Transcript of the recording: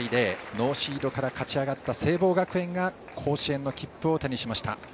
ノーシードから勝ち上がった聖望学園が甲子園の切符を手にしました。